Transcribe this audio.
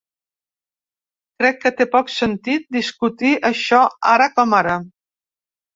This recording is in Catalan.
Crec que té poc sentit discutir això, ara com ara.